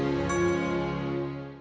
bersama pak tau